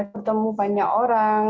bertemu banyak orang